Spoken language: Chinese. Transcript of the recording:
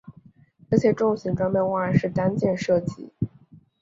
这些重型装备往往是单件设计。